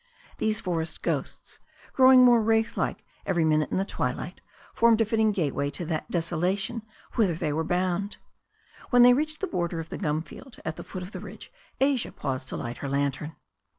These for est ghosts, growing more wraith like every minute in the twilight, formed a fitting gateway to that desolation whither they were bound. When they reached the border of the gum field at the foot of the ridge Asia paused to light her lantern.